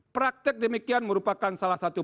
praktek demikian merupakan salah satu